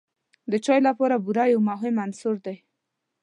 د چای لپاره بوره یو مهم عنصر دی.